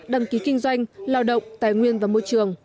đăng ký kinh doanh lao động tài nguyên và môi trường